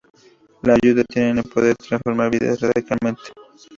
La ayuda tiene el poder de transformar vidas radicalmente.